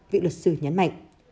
vị luật sư nhấn mạnh